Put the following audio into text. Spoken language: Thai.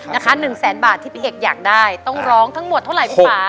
หนึ่งแสนบาทที่พี่เอกอยากได้ต้องร้องทั้งหมดเท่าไหร่พี่ป่า